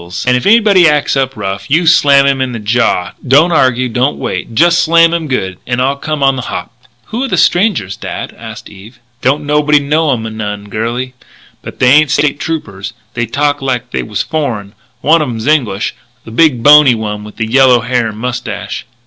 And if anybody acts up rough you slam him on the jaw don't argue, don't wait just slam him good, and I'll come on the hop." "Who are the strangers, dad?" asked Eve. "Don't nobody know 'em none, girlie. But they ain't State Troopers. They talk like they was foreign. One of 'em's English the big, bony one with yellow hair and mustache."